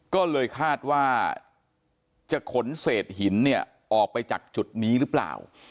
ก็เลยคาดว่าจะขนเศษหินเนี่ยออกไปจากจุดนี้หรือเปล่า